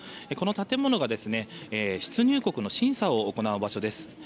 この建物が、出入国の審査を行う場所です。